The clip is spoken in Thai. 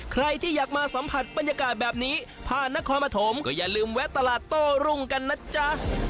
ใครที่อยากมาสัมผัสบรรยากาศแบบนี้ผ่านนครปฐมก็อย่าลืมแวะตลาดโต้รุ่งกันนะจ๊ะ